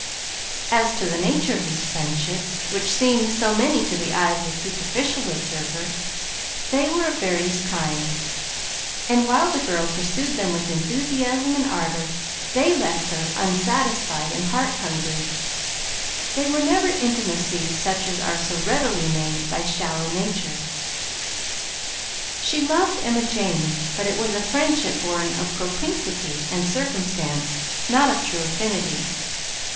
As to the nature of these friendships, which seemed so many to the eye of the superficial observer, they were of various kinds, and while the girl pursued them with enthusiasm and ardor, they left her unsatisfied and heart hungry; they were never intimacies such as are so readily made by shallow natures. She loved Emma Jane, but it was a friendship born of propinquity and circumstance, not of true affinity.